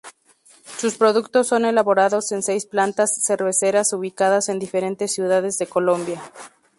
Sus productos son elaborados en seis plantas cerveceras ubicadas en diferentes ciudades de Colombia.